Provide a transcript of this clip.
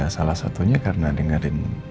salah satunya karena dengerin